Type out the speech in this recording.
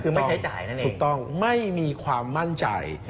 คือไม่ใช้จ่ายนั่นเองถูกต้องไม่มีความมั่นใจ